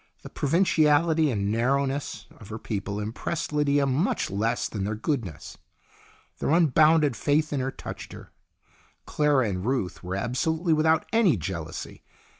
The pro vinciality and narrowness of her people impressed Lydia much less than their goodness. Their un bounded faith in her touched her. Clara and Ruth were absolutely without any jealousy.